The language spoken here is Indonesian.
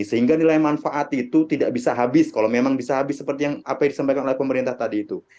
sehingga nilai manfaat itu tidak bisa habis kalau memang bisa habis seperti yang apa yang disampaikan oleh pemerintah tadi itu